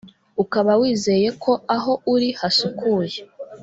ukaba wizeye ko aho uri hasukuye